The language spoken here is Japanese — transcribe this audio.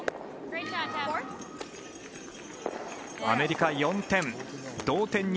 アメリカ４点。